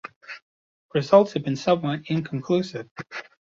Results have been somewhat inconclusive.